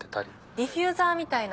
ディフューザーみたいな。